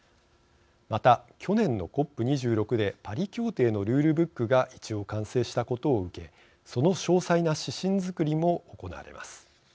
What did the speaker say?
また去年のＣＯＰ２６でパリ協定のルールブックが一応、完成したことを受けその詳細な指針作りも行われます。